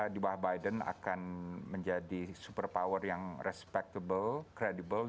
di bawah biden akan menjadi super power yang respectable credibel